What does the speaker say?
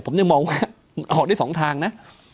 ผมยังมองว่ามันออกได้๒ทางนะ